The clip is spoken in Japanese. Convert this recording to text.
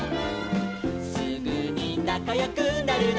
「すぐになかよくなるの」